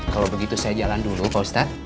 kalau begitu saya jalan dulu pak ustadz